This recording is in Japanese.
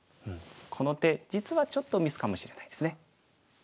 この手実はちょっとミスかもしれないですね。